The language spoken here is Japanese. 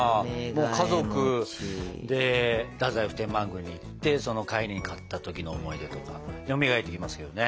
家族で太宰府天満宮に行ってその帰りに買った時の思い出とかよみがえってきますけどね。